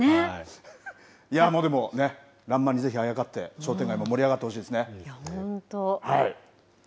でもね、らんまんにぜひあやかって、商店街も盛り上がってほしい本当。